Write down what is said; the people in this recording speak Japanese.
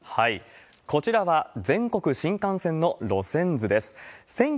こちらは全国新幹線の路線図です。